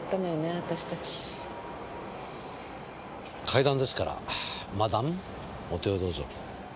階段ですからマダムお手をどうぞ。